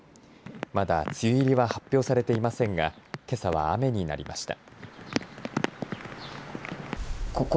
まだ梅雨入りは発表されていませんがけさは雨になりました。